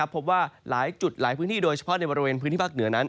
พบว่าหลายจุดหลายพื้นที่โดยเฉพาะในบริเวณพื้นที่ภาคเหนือนั้น